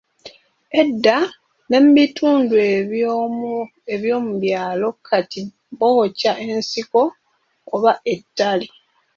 Edda, ne mu bitundu eby'omu byalo kati bookya ensiko oba ettale.